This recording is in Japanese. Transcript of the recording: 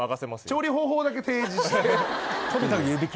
調理方法だけ提示して。